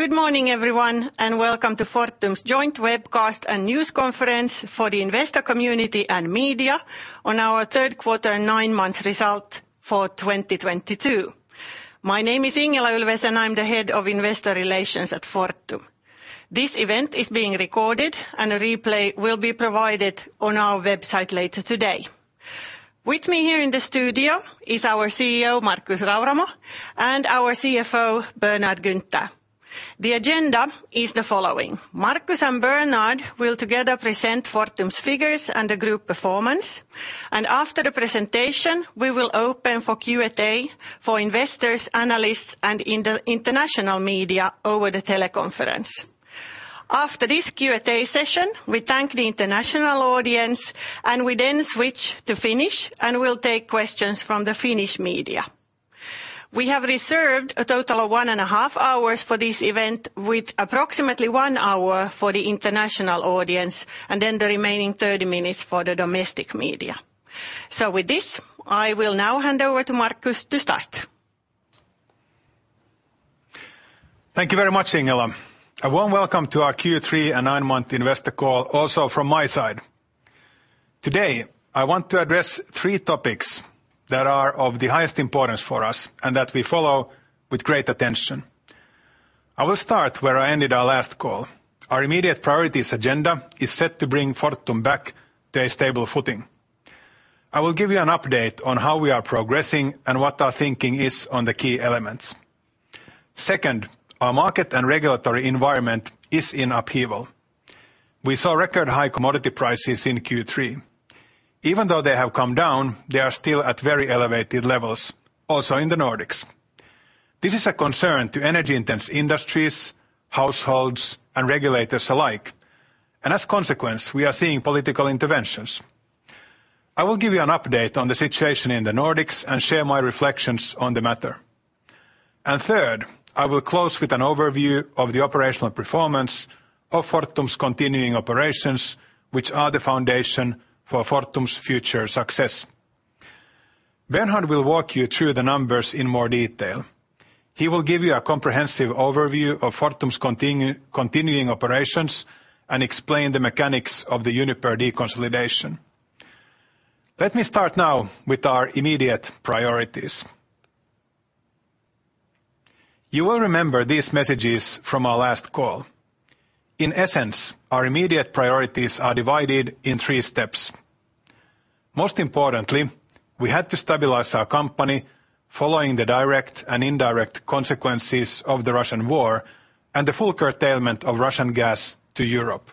Good morning, everyone, and welcome to Fortum's joint webcast and news conference for the investor community and media on our third quarter nine-month result for 2022. My name is Ingela Ulfves, and I'm the Head of Investor Relations at Fortum. This event is being recorded and a replay will be provided on our website later today. With me here in the studio is our CEO, Markus Rauramo, and our CFO, Bernhard Günther. The agenda is the following. Markus and Bernhard will together present Fortum's figures and the group performance, and after the presentation, we will open for Q&A for investors, analysts, and international media over the teleconference. After this Q&A session, we thank the international audience, and we then switch to Finnish, and we'll take questions from the Finnish media. We have reserved a total of one and a half hours for this event, with approximately one hour for the international audience, and then the remaining 30 minutes for the domestic media. With this, I will now hand over to Markus to start. Thank you very much, Ingela. A warm welcome to our Q3 and nine-month investor call also from my side. Today, I want to address three topics that are of the highest importance for us and that we follow with great attention. I will start where I ended our last call. Our immediate priorities agenda is set to bring Fortum back to a stable footing. I will give you an update on how we are progressing and what our thinking is on the key elements. Second, our market and regulatory environment is in upheaval. We saw record-high commodity prices in Q3. Even though they have come down, they are still at very elevated levels, also in the Nordics. This is a concern to energy-intensive industries, households, and regulators alike, and as a consequence, we are seeing political interventions. I will give you an update on the situation in the Nordics and share my reflections on the matter. Third, I will close with an overview of the operational performance of Fortum's continuing operations, which are the foundation for Fortum's future success. Bernhard will walk you through the numbers in more detail. He will give you a comprehensive overview of Fortum's continuing operations and explain the mechanics of the Uniper deconsolidation. Let me start now with our immediate priorities. You will remember these messages from our last call. In essence, our immediate priorities are divided in three steps. Most importantly, we had to stabilize our company following the direct and indirect consequences of the Russian War and the full curtailment of Russian gas to Europe.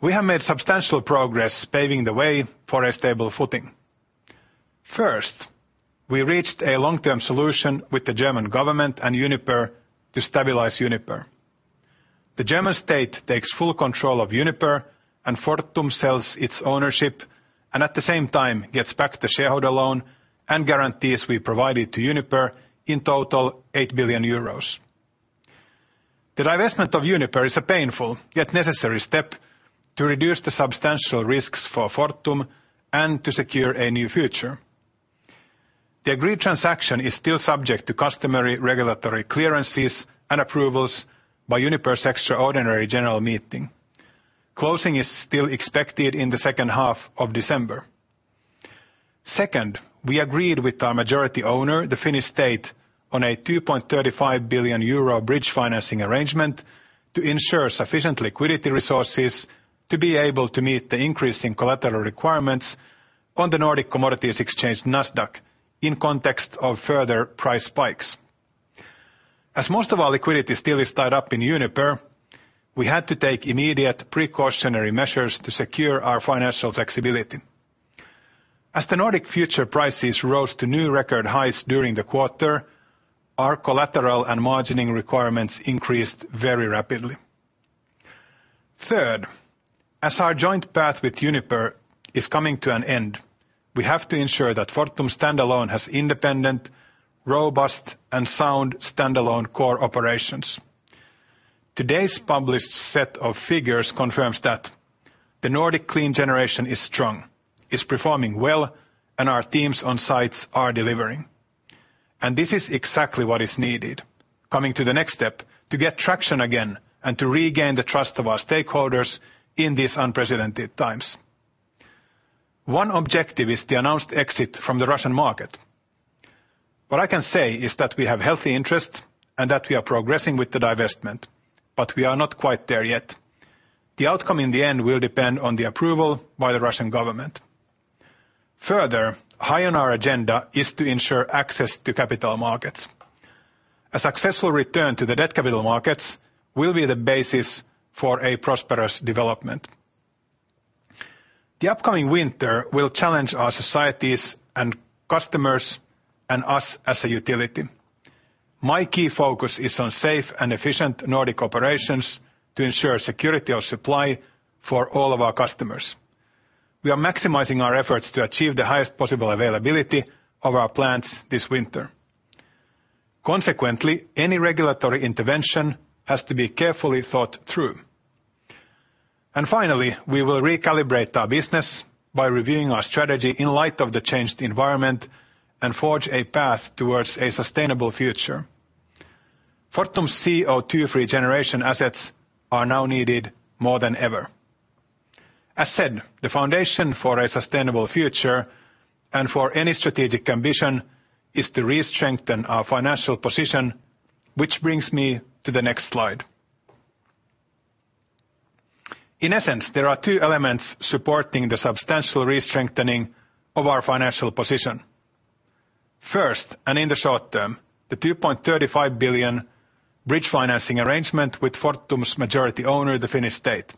We have made substantial progress paving the way for a stable footing. First, we reached a long-term solution with the German government and Uniper to stabilize Uniper. The German state takes full control of Uniper, and Fortum sells its ownership, and at the same time gets back the shareholder loan and guarantees we provided to Uniper in total 8 billion euros. The divestment of Uniper is a painful yet necessary step to reduce the substantial risks for Fortum and to secure a new future. The agreed transaction is still subject to customary regulatory clearances and approvals by Uniper's extraordinary general meeting. Closing is still expected in the second half of December. Second, we agreed with our majority owner, the Finnish state, on a 2.35 billion euro bridge financing arrangement to ensure sufficient liquidity resources to be able to meet the increase in collateral requirements on the Nasdaq Commodities in context of further price spikes. As most of our liquidity still is tied up in Uniper, we had to take immediate precautionary measures to secure our financial flexibility. As the Nordic future prices rose to new record highs during the quarter, our collateral and margining requirements increased very rapidly. Third, as our joint path with Uniper is coming to an end, we have to ensure that Fortum standalone has independent, robust, and sound standalone core operations. Today's published set of figures confirms that the Nordic clean generation is strong, is performing well, and our teams on sites are delivering. This is exactly what is needed, coming to the next step, to get traction again and to regain the trust of our stakeholders in these unprecedented times. One objective is the announced exit from the Russian market. What I can say is that we have healthy interest and that we are progressing with the divestment, but we are not quite there yet. The outcome in the end will depend on the approval by the Russian government. Further, high on our agenda is to ensure access to capital markets. A successful return to the debt capital markets will be the basis for a prosperous development. The upcoming winter will challenge our societies and customers and us as a utility. My key focus is on safe and efficient Nordic operations to ensure security of supply for all of our customers. We are maximizing our efforts to achieve the highest possible availability of our plants this winter. Consequently, any regulatory intervention has to be carefully thought through. Finally, we will recalibrate our business by reviewing our strategy in light of the changed environment and forge a path towards a sustainable future. Fortum's CO2-free generation assets are now needed more than ever. As said, the foundation for a sustainable future, and for any strategic ambition, is to restrengthen our financial position, which brings me to the next slide. In essence, there are two elements supporting the substantial restrengthening of our financial position. First, in the short-term, the 2.35 billion bridge financing arrangement with Fortum's majority owner, the Finnish state.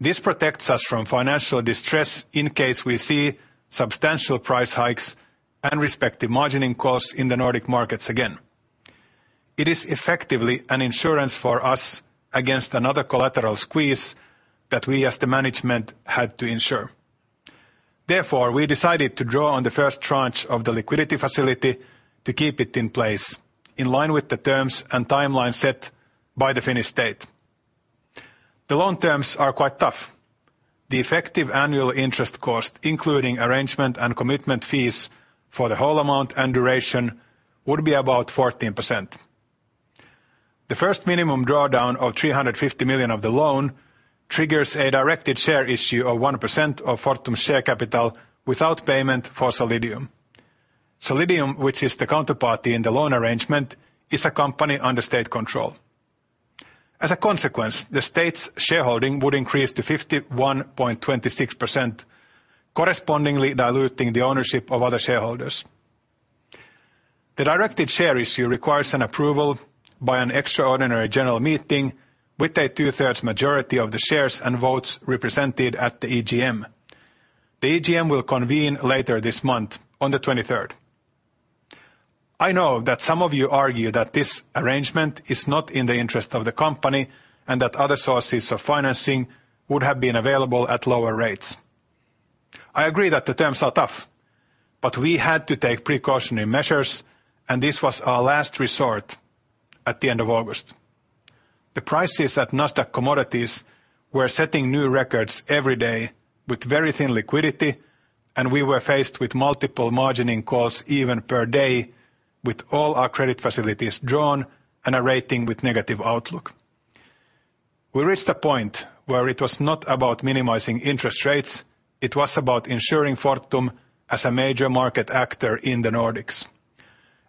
This protects us from financial distress in case we see substantial price hikes and respective margining costs in the Nordic markets again. It is effectively an insurance for us against another collateral squeeze that we as the management had to ensure. Therefore, we decided to draw on the first tranche of the liquidity facility to keep it in place in line with the terms and timelines set by the Finnish state. The loan terms are quite tough. The effective annual interest cost, including arrangement and commitment fees for the whole amount and duration, would be about 14%. The first minimum drawdown of 350 million of the loan triggers a directed share issue of 1% of Fortum's share capital without payment for Solidium. Solidium, which is the counterparty in the loan arrangement, is a company under state control. As a consequence, the state's shareholding would increase to 51.26%, correspondingly diluting the ownership of other shareholders. The directed share issue requires an approval by an extraordinary general meeting with a 2/3s majority of the shares and votes represented at the EGM. The EGM will convene later this month on the 23rd. I know that some of you argue that this arrangement is not in the interest of the company and that other sources of financing would have been available at lower rates. I agree that the terms are tough, but we had to take precautionary measures, and this was our last resort at the end of August. The prices at Nasdaq Commodities were setting new records every day with very thin liquidity, and we were faced with multiple margining costs even per day with all our credit facilities drawn and a rating with negative outlook. We reached a point where it was not about minimizing interest rates. It was about ensuring Fortum as a major market actor in the Nordics.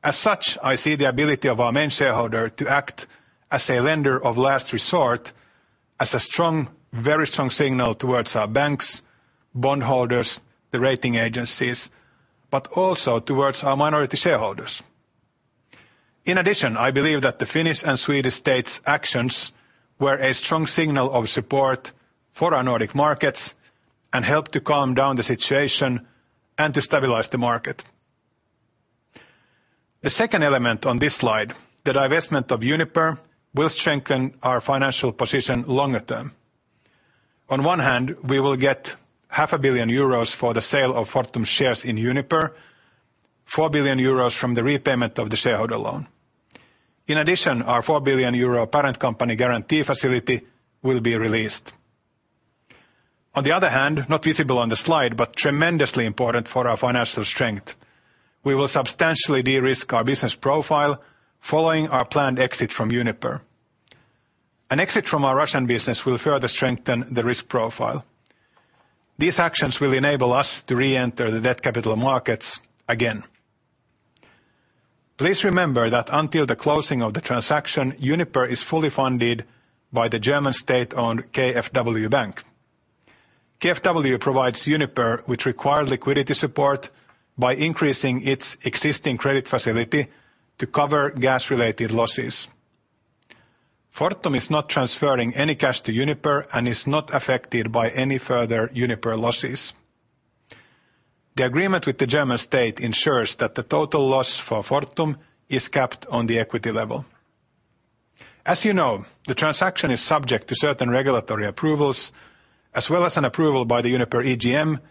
As such, I see the ability of our main shareholder to act as a lender of last resort as a strong, very strong signal towards our banks, bondholders, the rating agencies, but also towards our minority shareholders. In addition, I believe that the Finnish and Swedish states' actions were a strong signal of support for our Nordic markets and helped to calm down the situation and to stabilize the market. The second element on this slide, the divestment of Uniper, will strengthen our financial position longer-term. On one hand, we will get half a billion EUR for the sale of Fortum shares in Uniper, 4 billion euros from the repayment of the shareholder loan. In addition, our 4 billion euro parent company guarantee facility will be released. On the other hand, not visible on the slide, but tremendously important for our financial strength, we will substantially de-risk our business profile following our planned exit from Uniper. An exit from our Russian business will further strengthen the risk profile. These actions will enable us to re-enter the debt capital markets again. Please remember that until the closing of the transaction, Uniper is fully funded by the German state-owned KfW. KfW provides Uniper with required liquidity support by increasing its existing credit facility to cover gas-related losses. Fortum is not transferring any cash to Uniper and is not affected by any further Uniper losses. The agreement with the German state ensures that the total loss for Fortum is capped on the equity level. As you know, the transaction is subject to certain regulatory approvals, as well as an approval by the Uniper EGM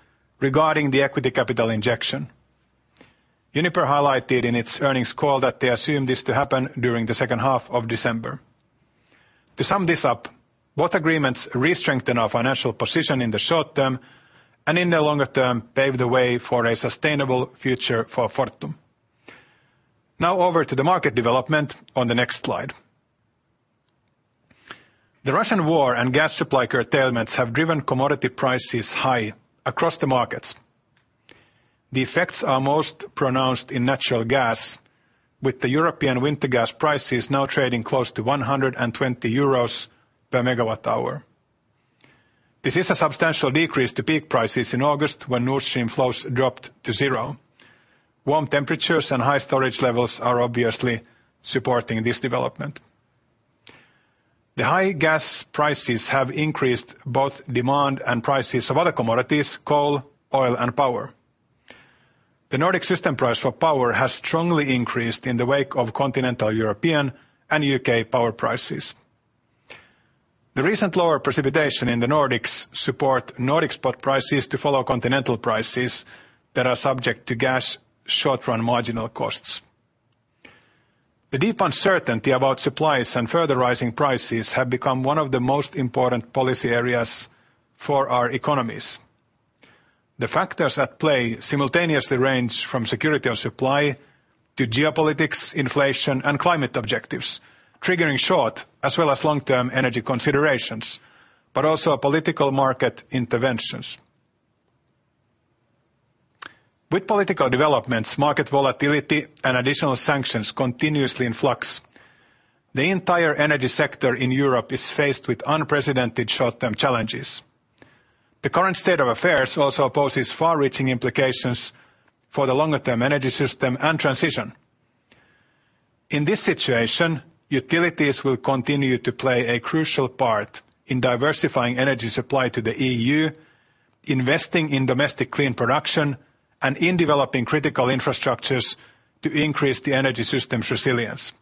regarding the equity capital injection. Uniper highlighted in its earnings call that they assume this to happen during the second half of December. To sum this up, both agreements restrengthen our financial position in the short-term and in the longer-term pave the way for a sustainable future for Fortum. Now over to the market development on the next slide. The Russian War and gas supply curtailments have driven commodity prices high across the markets. The effects are most pronounced in natural gas, with the European winter gas prices now trading close to 120 euros per MWh. This is a substantial decrease to peak prices in August when Nord Stream flows dropped to zero. Warm temperatures and high storage levels are obviously supporting this development. The high gas prices have increased both demand and prices of other commodities, coal, oil, and power. The Nordic system price for power has strongly increased in the wake of continental European and U.K. power prices. The recent lower precipitation in the Nordics support Nordic spot prices to follow continental prices that are subject to gas short-run marginal costs. The deep uncertainty about supplies and further rising prices have become one of the most important policy areas for our economies. The factors at play simultaneously range from security of supply to geopolitics, inflation, and climate objectives, triggering short as well as long-term energy considerations, but also political market interventions. With political developments, market volatility and additional sanctions continuously in flux, the entire energy sector in Europe is faced with unprecedented short-term challenges. The current state of affairs also poses far-reaching implications for the longer-term energy system and transition. In this situation, utilities will continue to play a crucial part in diversifying energy supply to the EU, investing in domestic clean production, and in developing critical infrastructures to increase the energy system's resilience.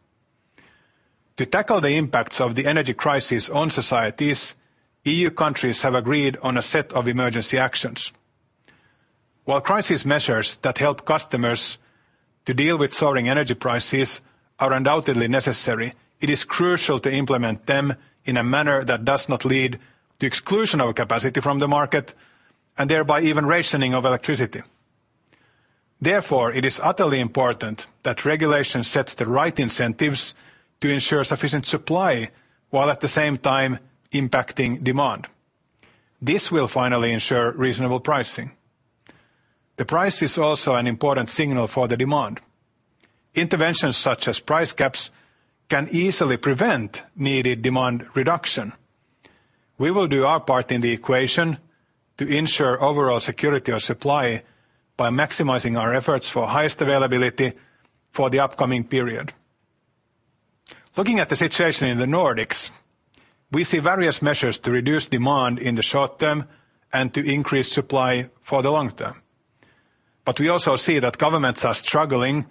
To tackle the impacts of the energy crisis on societies, EU countries have agreed on a set of emergency actions. While crisis measures that help customers to deal with soaring energy prices are undoubtedly necessary, it is crucial to implement them in a manner that does not lead to exclusion of capacity from the market, and thereby even rationing of electricity. Therefore, it is utterly important that regulation sets the right incentives to ensure sufficient supply, while at the same time impacting demand. This will finally ensure reasonable pricing. The price is also an important signal for the demand. Interventions such as price caps can easily prevent needed demand reduction. We will do our part in the equation to ensure overall security of supply by maximizing our efforts for highest availability for the upcoming period. Looking at the situation in the Nordics, we see various measures to reduce demand in the short-term and to increase supply for the long-term. We also see that governments are struggling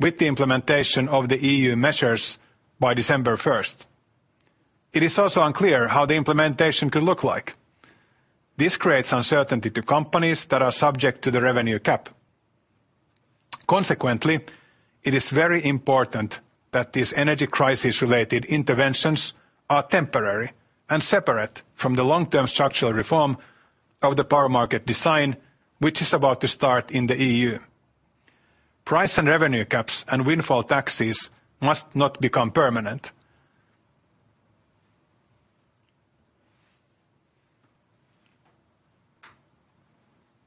with the implementation of the EU measures by December 1st. It is also unclear how the implementation could look like. This creates uncertainty to companies that are subject to the revenue cap. Consequently, it is very important that these energy crisis-related interventions are temporary and separate from the long-term structural reform of the power market design, which is about to start in the EU. Price and revenue caps and windfall taxes must not become permanent.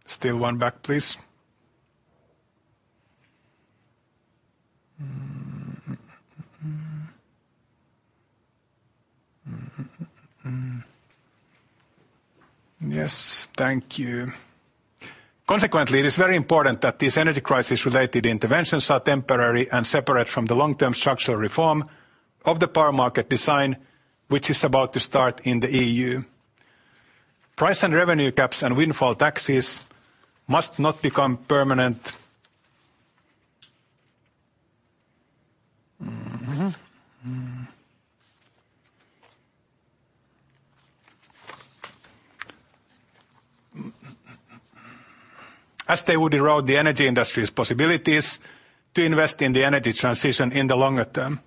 Still one back, please. Yes, thank you. Consequently, it is very important that these energy crisis-related interventions are temporary and separate from the long-term structural reform of the power market design, which is about to start in the EU. Price and revenue caps and windfall taxes must not become permanent. As they would erode the energy industry's possibilities to invest in the energy transition in the longer term.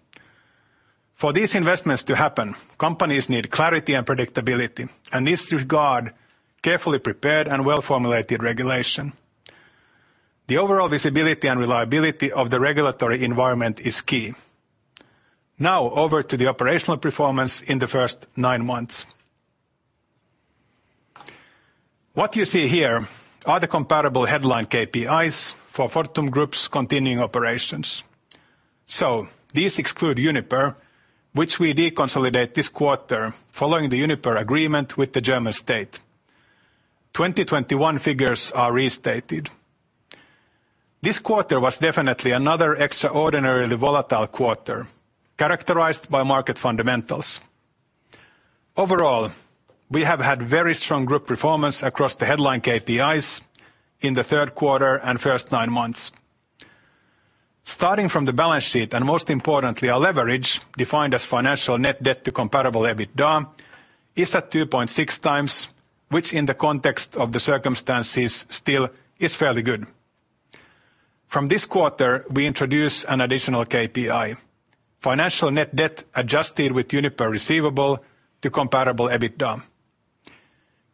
For these investments to happen, companies need clarity and predictability, and in this regard, carefully prepared and well-formulated regulation. The overall visibility and reliability of the regulatory environment is key. Now over to the operational performance in the first nine months. What you see here are the comparable headline KPIs for Fortum Group's continuing operations. So these exclude Uniper, which we deconsolidated this quarter following the Uniper agreement with the German state. 2021 figures are restated. This quarter was definitely another extraordinarily volatile quarter characterized by market fundamentals. Overall, we have had very strong group performance across the headline KPIs in the third quarter and first nine months. Starting from the balance sheet, and most importantly, our leverage, defined as financial net debt to comparable EBITDA, is at 2.6x, which in the context of the circumstances still is fairly good. From this quarter, we introduce an additional KPI, financial net debt adjusted with Uniper receivable to comparable EBITDA.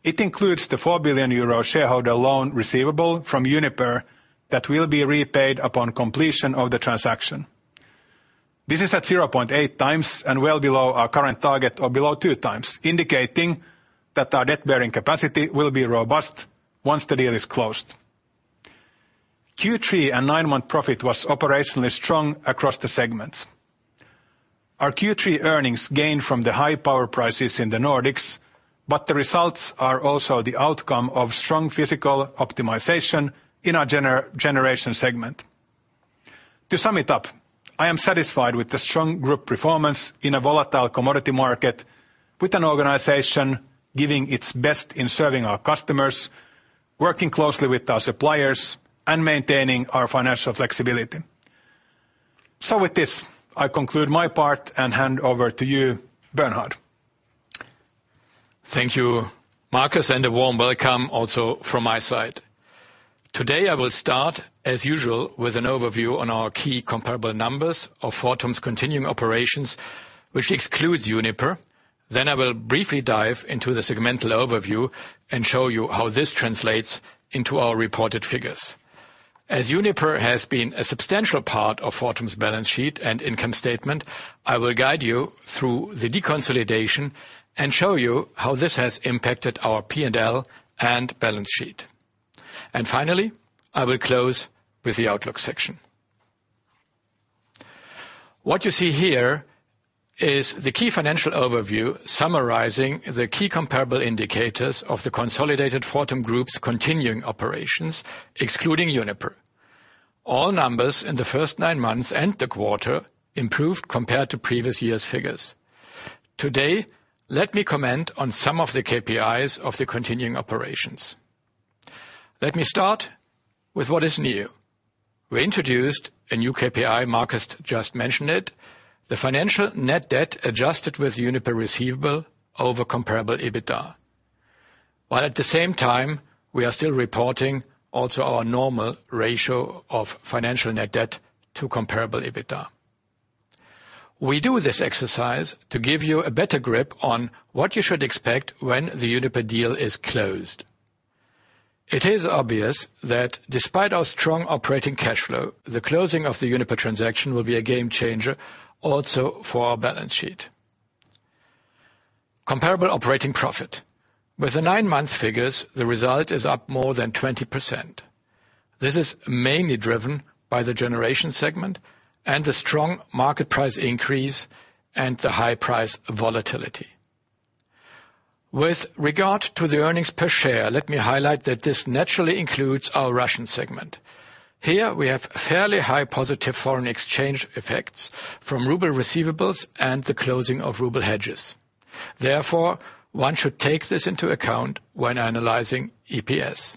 It includes the 4 billion euro shareholder loan receivable from Uniper that will be repaid upon completion of the transaction. This is at 0.8x and well below our current target of below 2x, indicating that our debt-bearing capacity will be robust once the deal is closed. Q3 and nine-month profit was operationally strong across the segments. Our Q3 earnings gained from the high power prices in the Nordics, but the results are also the outcome of strong physical optimization in our Generation segment. To sum it up, I am satisfied with the strong group performance in a volatile commodity market with an organization giving its best in serving our customers, working closely with our suppliers, and maintaining our financial flexibility. With this, I conclude my part and hand over to you, Bernhard. Thank you, Markus, and a warm welcome also from my side. Today I will start, as usual, with an overview on our key comparable numbers of Fortum's continuing operations, which excludes Uniper. Then I will briefly dive into the segmental overview and show you how this translates into our reported figures. As Uniper has been a substantial part of Fortum's balance sheet and income statement, I will guide you through the deconsolidation and show you how this has impacted our P&L and balance sheet. Finally, I will close with the outlook section. What you see here is the key financial overview summarizing the key comparable indicators of the consolidated Fortum Group's continuing operations, excluding Uniper. All numbers in the first nine months and the quarter improved compared to previous year's figures. Today, let me comment on some of the KPIs of the continuing operations. Let me start with what is new. We introduced a new KPI, Markus just mentioned it, the financial net debt adjusted with Uniper receivable over comparable EBITDA. While at the same time, we are still reporting also our normal ratio of financial net debt to comparable EBITDA. We do this exercise to give you a better grip on what you should expect when the Uniper deal is closed. It is obvious that despite our strong operating cash flow, the closing of the Uniper transaction will be a game-changer also for our balance sheet. Comparable operating profit. With the nine-month figures, the result is up more than 20%. This is mainly driven by the generation segment and the strong market price increase and the high price volatility. With regard to the earnings per share, let me highlight that this naturally includes our Russian segment. Here we have fairly high positive foreign exchange effects from ruble receivables and the closing of ruble hedges. Therefore, one should take this into account when analyzing EPS.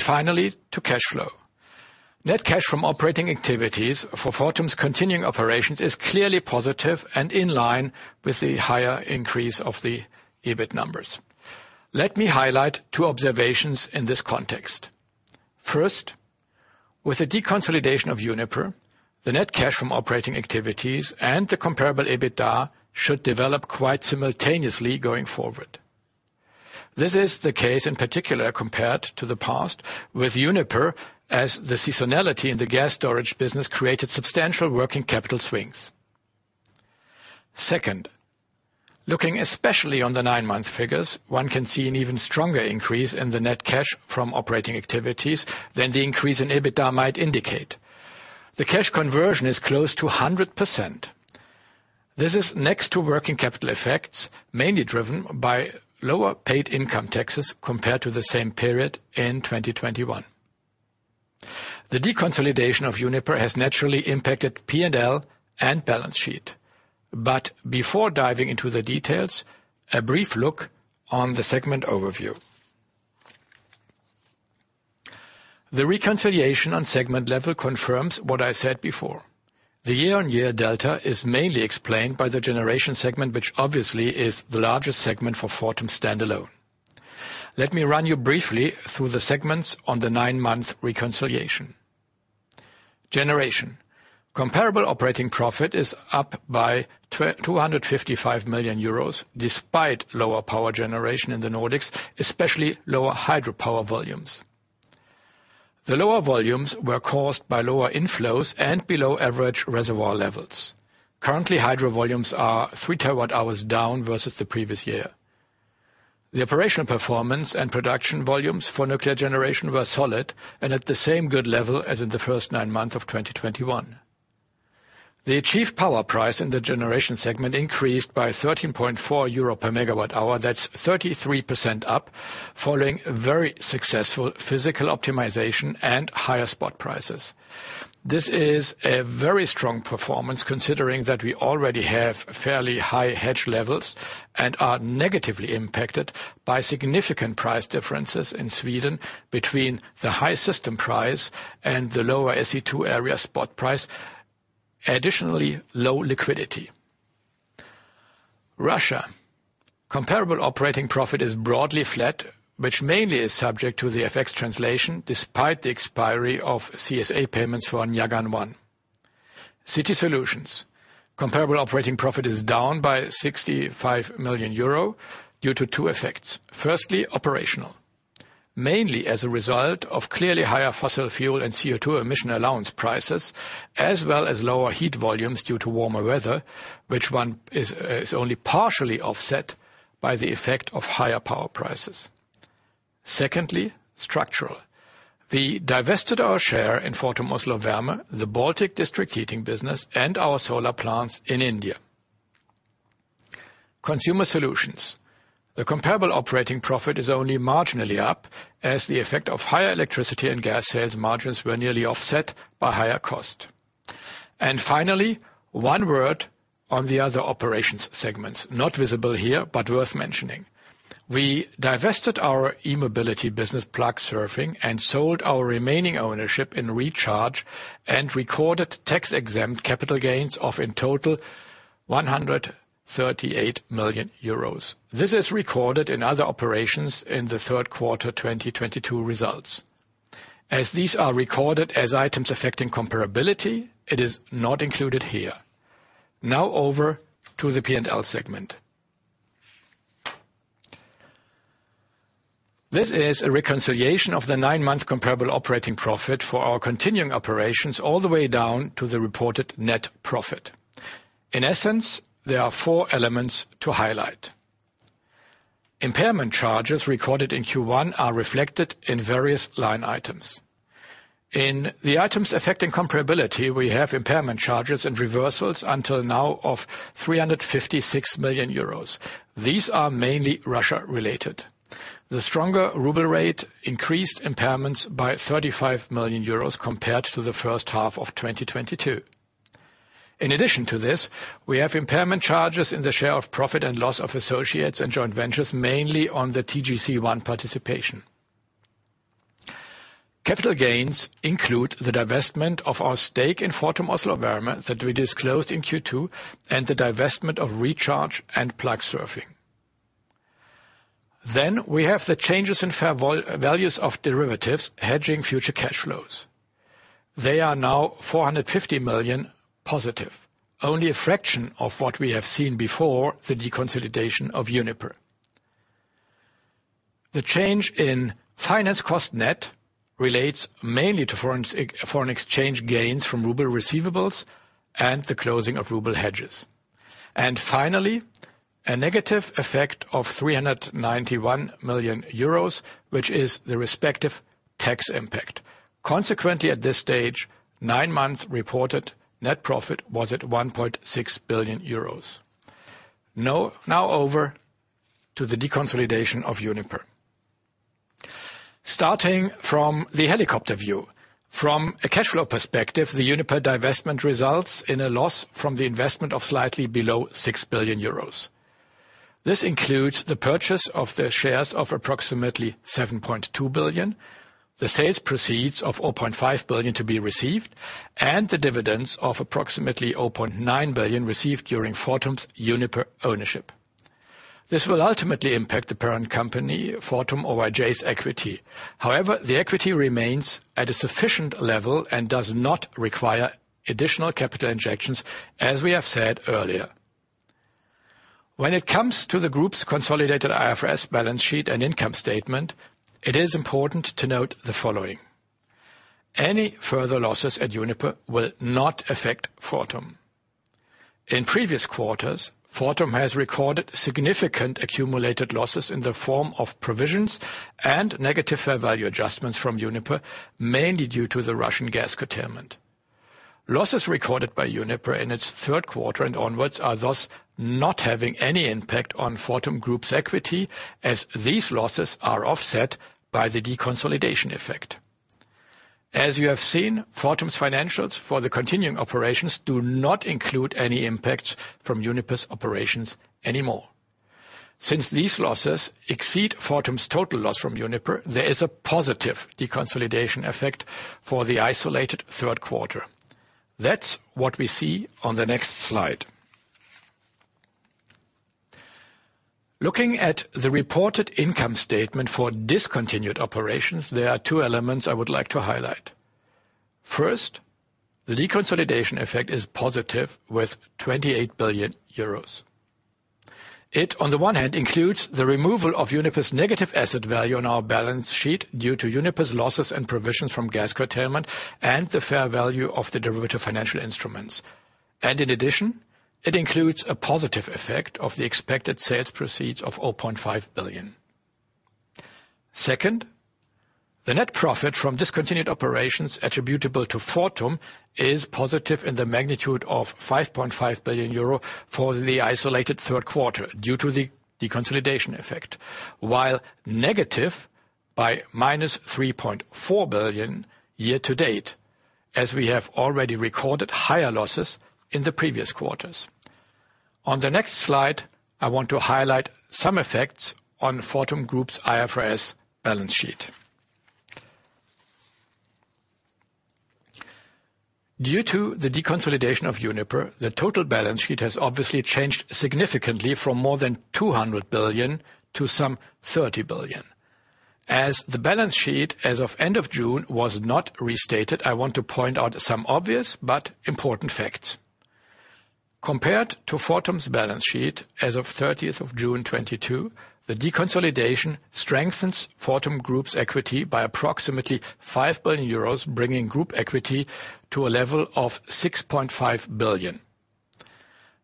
Finally, to cash flow. Net cash from operating activities for Fortum's continuing operations is clearly positive and in line with the higher increase of the EBIT numbers. Let me highlight two observations in this context. First, with the deconsolidation of Uniper, the net cash from operating activities and the comparable EBITDA should develop quite simultaneously going forward. This is the case in particular compared to the past with Uniper, as the seasonality in the gas storage business created substantial working capital swings. Second, looking especially on the nine-month figures, one can see an even stronger increase in the net cash from operating activities than the increase in EBITDA might indicate. The cash conversion is close to 100%. This is next to working capital effects, mainly driven by lower paid income taxes compared to the same period in 2021. The deconsolidation of Uniper has naturally impacted P&L and balance sheet. Before diving into the details, a brief look on the segment overview. The reconciliation on segment level confirms what I said before. The year-on-year delta is mainly explained by the Generation segment, which obviously is the largest segment for Fortum standalone. Let me run you briefly through the segments on the nine-month reconciliation. Generation. Comparable operating profit is up by 255 million euros, despite lower power generation in the Nordics, especially lower hydropower volumes. The lower volumes were caused by lower inflows and below-average reservoir levels. Currently, hydro volumes are 3 TWh down versus the previous year. The operational performance and production volumes for nuclear generation were solid and at the same good level as in the first nine months of 2021. The achieved power price in the generation segment increased by 13.4 euro per MWh. That's 33% up, following a very successful physical optimization and higher spot prices. This is a very strong performance, considering that we already have fairly high hedge levels and are negatively impacted by significant price differences in Sweden between the high system price and the lower SE2 area spot price. Additionally, low liquidity. Russia. Comparable operating profit is broadly flat, which mainly is subject to the FX translation despite the expiry of CSA payments for Nyagan one. City Solutions. Comparable operating profit is down by 65 million euro due to two effects. Firstly, operational. Mainly as a result of clearly higher fossil fuel and CO2 emission allowance prices, as well as lower heat volumes due to warmer weather, which is only partially offset by the effect of higher power prices. Secondly, structural. We divested our share in Fortum Oslo Varme, the Baltic district heating business, and our solar plants in India. Consumer Solutions. The comparable operating profit is only marginally up as the effect of higher electricity and gas sales margins were nearly offset by higher cost. Finally, one word on the other operations segments, not visible here, but worth mentioning. We divested our e-mobility business, Plugsurfing, and sold our remaining ownership in Recharge and recorded tax-exempt capital gains of, in total, 138 million euros. This is recorded in other operations in the third quarter 2022 results. As these are recorded as items affecting comparability, it is not included here. Now over to the P&L segment. This is a reconciliation of the nine-month comparable operating profit for our continuing operations all the way down to the reported net profit. In essence, there are four elements to highlight. Impairment charges recorded in Q1 are reflected in various line items. In the items affecting comparability, we have impairment charges and reversals until now of 356 million euros. These are mainly Russia-related. The stronger ruble rate increased impairments by 35 million euros compared to the first half of 2022. In addition to this, we have impairment charges in the share of profit and loss of associates and joint ventures, mainly on the TGC-1 participation. Capital gains include the divestment of our stake in Fortum Oslo Varme that we disclosed in Q2 and the divestment of Recharge and Plugsurfing. Then we have the changes in fair values of derivatives hedging future cash flows. They are now 450 million positive, only a fraction of what we have seen before the deconsolidation of Uniper. The change in finance cost net relates mainly to foreign exchange gains from ruble receivables and the closing of ruble hedges. Finally, a negative effect of 391 million euros, which is the respective tax impact. Consequently, at this stage, nine-month reported net profit was at 1.6 billion euros. Now over to the deconsolidation of Uniper. Starting from the helicopter view, from a cash flow perspective, the Uniper divestment results in a loss from the investment of slightly below 6 billion euros. This includes the purchase of the shares of approximately 7.2 billion, the sales proceeds of 0.5 billion to be received, and the dividends of approximately 0.9 billion received during Fortum's Uniper ownership. This will ultimately impact the parent company, Fortum Oyj's equity. However, the equity remains at a sufficient level and does not require additional capital injections, as we have said earlier. When it comes to the group's consolidated IFRS balance sheet and income statement, it is important to note the following. Any further losses at Uniper will not affect Fortum. In previous quarters, Fortum has recorded significant accumulated losses in the form of provisions and negative fair value adjustments from Uniper, mainly due to the Russian gas curtailment. Losses recorded by Uniper in its third quarter and onwards are thus not having any impact on Fortum Group's equity, as these losses are offset by the deconsolidation effect. As you have seen, Fortum's financials for the continuing operations do not include any impacts from Uniper's operations anymore. Since these losses exceed Fortum's total loss from Uniper, there is a positive deconsolidation effect for the isolated third quarter. That's what we see on the next slide. Looking at the reported income statement for discontinued operations, there are two elements I would like to highlight. First, the deconsolidation effect is positive with 28 billion euros. It, on the one hand, includes the removal of Uniper's negative asset value on our balance sheet due to Uniper's losses and provisions from gas curtailment and the fair value of the derivative financial instruments. In addition, it includes a positive effect of the expected sales proceeds of 0.5 billion. Second, the net profit from discontinued operations attributable to Fortum is positive in the magnitude of 5.5 billion euro for the isolated third quarter due to the deconsolidation effect, while negative by -3.4 billion year to date, as we have already recorded higher losses in the previous quarters. On the next slide, I want to highlight some effects on Fortum Group's IFRS balance sheet. Due to the deconsolidation of Uniper, the total balance sheet has obviously changed significantly from more than 200 billion to some 30 billion. As the balance sheet as of end of June was not restated, I want to point out some obvious but important facts. Compared to Fortum's balance sheet as of June 30th 2022, the deconsolidation strengthens Fortum Group's equity by approximately 5 billion euros, bringing group equity to a level of 6.5 billion.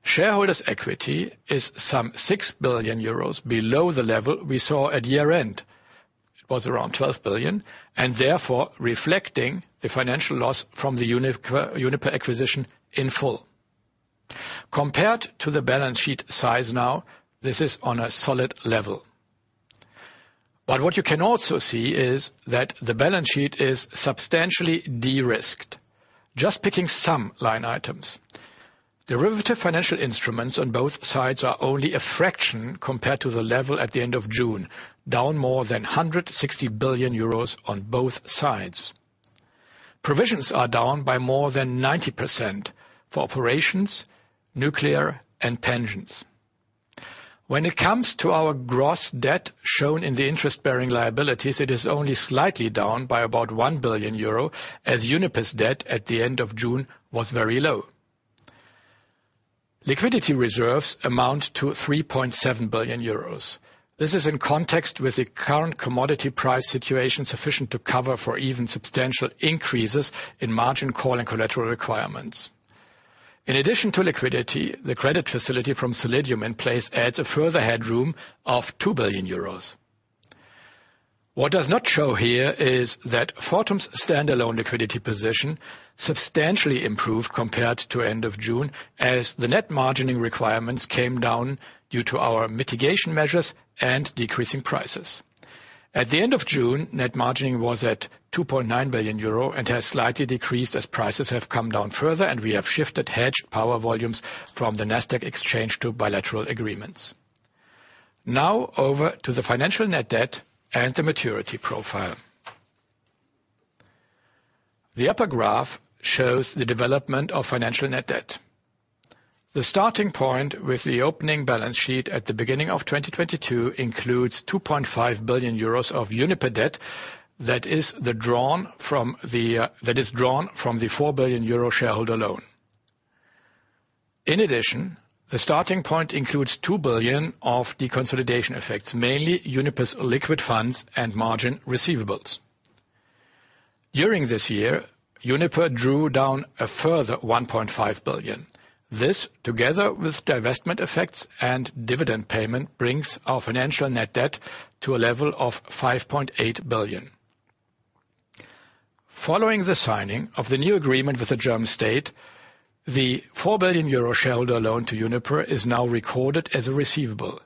Shareholders' equity is some 6 billion euros below the level we saw at year-end. It was around 12 billion, and therefore reflecting the financial loss from the Uniper acquisition in full. Compared to the balance sheet size now, this is on a solid level. What you can also see is that the balance sheet is substantially de-risked. Just picking some line items. Derivative financial instruments on both sides are only a fraction compared to the level at the end of June, down more than 160 billion euros on both sides. Provisions are down by more than 90% for operations, nuclear and pensions. When it comes to our gross debt shown in the interest-bearing liabilities, it is only slightly down by about 1 billion euro, as Uniper's debt at the end of June was very low. Liquidity reserves amount to 3.7 billion euros. This is in context with the current commodity price situation, sufficient to cover for even substantial increases in margin call and collateral requirements. In addition to liquidity, the credit facility from Solidium in place adds a further headroom of 2 billion euros. What does not show here is that Fortum's standalone liquidity position substantially improved compared to end of June, as the net margining requirements came down due to our mitigation measures and decreasing prices. At the end of June, net margining was at 2.9 billion euro and has slightly decreased as prices have come down further and we have shifted hedged power volumes from the Nasdaq exchange to bilateral agreements. Now over to the financial net debt and the maturity profile. The upper graph shows the development of financial net debt. The starting point with the opening balance sheet at the beginning of 2022 includes 2.5 billion euros of Uniper debt that is drawn from the 4 billion euro shareholder loan. In addition, the starting point includes 2 billion of the consolidation effects, mainly Uniper's liquid funds and margin receivables. During this year, Uniper drew down a further 1.5 billion. This, together with divestment effects and dividend payment, brings our financial net debt to a level of 5.8 billion. Following the signing of the new agreement with the German state, the 4 billion euro shareholder loan to Uniper is now recorded as a receivable.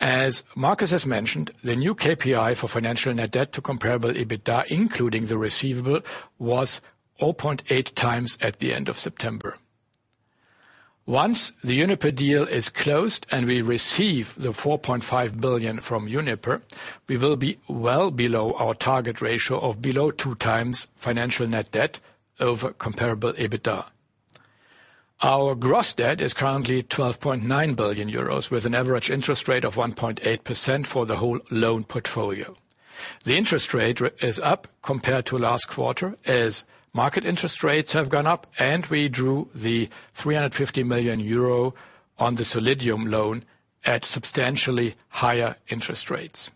As Markus has mentioned, the new KPI for financial net debt to comparable EBITDA, including the receivable, was 0.8x at the end of September. Once the Uniper deal is closed and we receive the 4.5 billion from Uniper, we will be well below our target ratio of below 2x financial net debt over comparable EBITDA. Our gross debt is currently 12.9 billion euros with an average interest rate of 1.8% for the whole loan portfolio. The interest rate is up compared to last quarter as market interest rates have gone up and we drew the 350 million euro on the Solidium loan at substantially higher interest rates.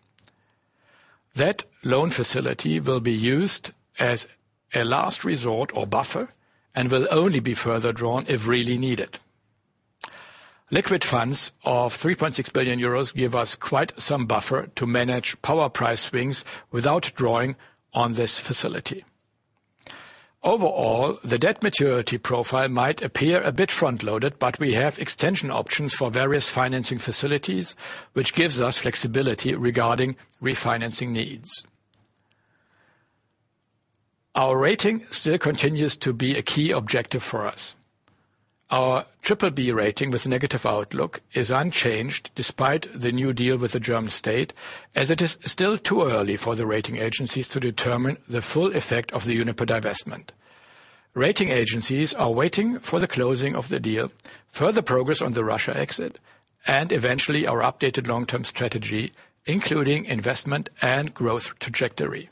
That loan facility will be used as a last resort or buffer and will only be further drawn if really needed. Liquid funds of 3.6 billion euros give us quite some buffer to manage power price swings without drawing on this facility. Overall, the debt maturity profile might appear a bit front-loaded, but we have extension options for various financing facilities, which gives us flexibility regarding refinancing needs. Our rating still continues to be a key objective for us. Our BBB rating with negative outlook is unchanged despite the new deal with the German state, as it is still too early for the rating agencies to determine the full effect of the Uniper divestment. Rating agencies are waiting for the closing of the deal, further progress on the Russia exit, and eventually our updated long-term strategy, including investment and growth trajectory.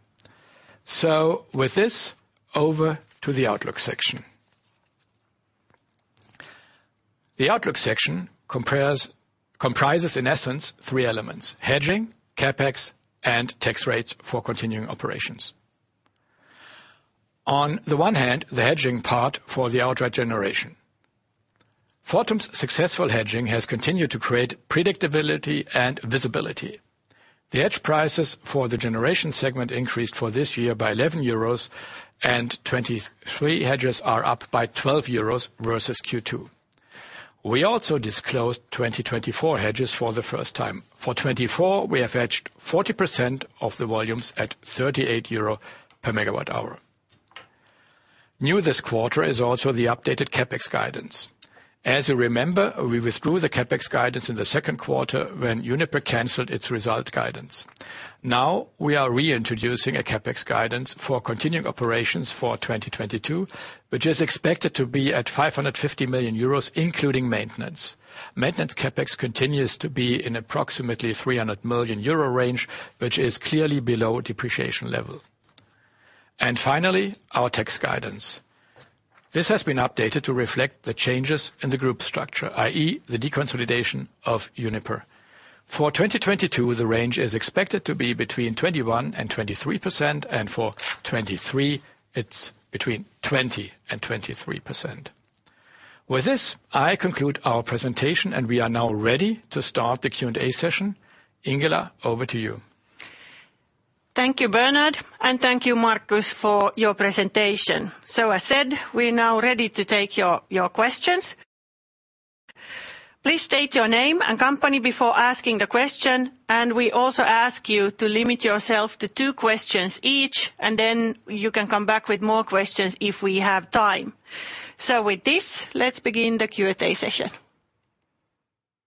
With this, over to the outlook section. The outlook section comprises, in essence, three elements, hedging, CapEx, and tax rates for continuing operations. On the one hand, the hedging part for the outright generation. Fortum's successful hedging has continued to create predictability and visibility. The hedge prices for the generation segment increased for this year by 11 euros, and 2023 hedges are up by 12 euros versus Q2. We also disclosed 2024 hedges for the first time. For 2024, we have hedged 40% of the volumes at 38 euro per MWh. New this quarter is also the updated CapEx guidance. As you remember, we withdrew the CapEx guidance in the second quarter when Uniper canceled its result guidance. Now we are reintroducing a CapEx guidance for continuing operations for 2022, which is expected to be at 550 million euros, including maintenance. Maintenance CapEx continues to be in approximately 300 million euro range, which is clearly below depreciation level. Finally, our tax guidance. This has been updated to reflect the changes in the group structure, i.e., the deconsolidation of Uniper. For 2022, the range is expected to be between 21% and 23%, and for 2023, it's between 20% and 23%. With this, I conclude our presentation, and we are now ready to start the Q&A session. Ingela, over to you. Thank you, Bernhard, and thank you, Markus, for your presentation. As said, we're now ready to take your questions. Please state your name and company before asking the question, and we also ask you to limit yourself to two questions each, and then you can come back with more questions if we have time. With this, let's begin the Q&A session.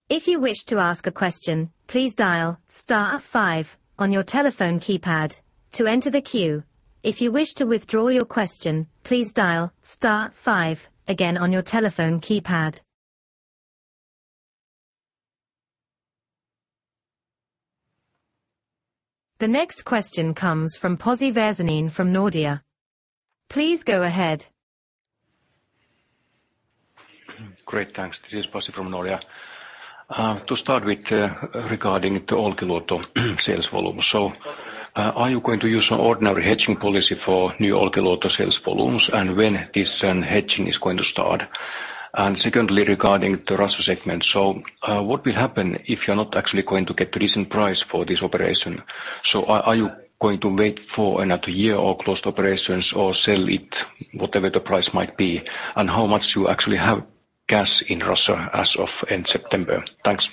If you wish to ask a question, please dial star five on your telephone keypad to enter the queue. If you wish to withdraw your question, please dial star five again on your telephone keypad. The next question comes from Pasi Väisänen from Nordea. Please go ahead. Great, thanks. This is Pasi from Nordea. To start with, regarding the Olkiluoto sales volume. Are you going to use an ordinary hedging policy for new Olkiluoto sales volumes, and when this hedging is going to start? Secondly, regarding the Russia segment. What will happen if you're not actually going to get a decent price for this operation? Are you going to wait for another year or close the operations or sell it, whatever the price might be? How much you actually have cash in Russia as of end September? Thanks.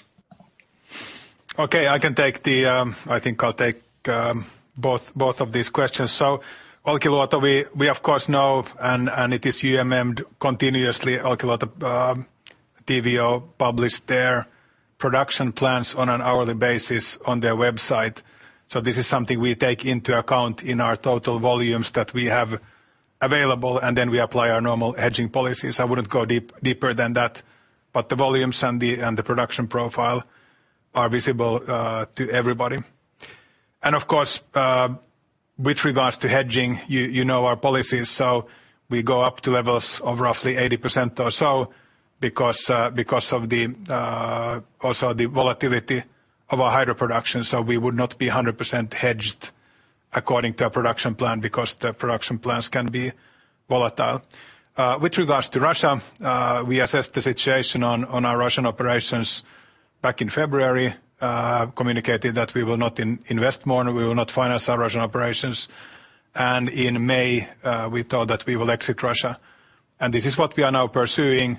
Okay. I think I'll take both of these questions. Olkiluoto, we of course know, and it is monitored continuously. Olkiluoto, TVO published their production plans on an hourly basis on their website, so this is something we take into account in our total volumes that we have available, and then we apply our normal hedging policies. I wouldn't go deeper than that, but the volumes and the production profile are visible to everybody. Of course, with regards to hedging, you know our policies, so we go up to levels of roughly 80% or so because of also the volatility of our hydro production. We would not be 100% hedged according to a production plan because the production plans can be volatile. With regards to Russia, we assessed the situation on our Russian operations back in February, communicated that we will not invest more and we will not finance our Russian operations, and in May, we thought that we will exit Russia. This is what we are now pursuing.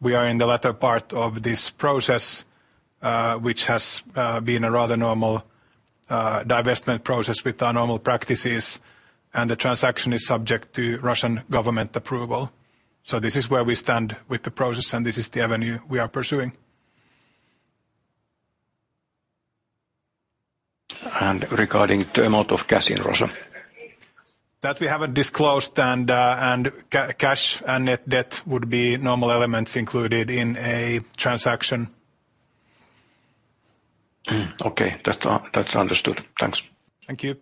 We are in the latter part of this process, which has been a rather normal divestment process with our normal practices and the transaction is subject to Russian government approval. This is where we stand with the process and this is the avenue we are pursuing. Regarding the amount of cash in Russia? That we haven't disclosed and cash and net debt would be normal elements included in a transaction. Okay. That's understood. Thanks. Thank you.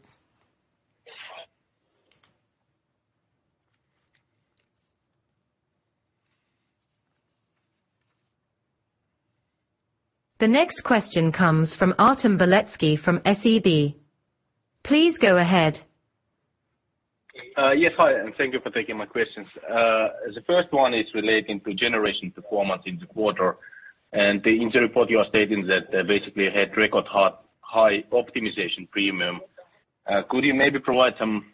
The next question comes from Artem Beletski from SEB. Please go ahead. Yes. Hi, and thank you for taking my questions. The first one is relating to generation performance in the quarter. In the report you are stating that, basically you had record-high optimization premium. Could you maybe provide some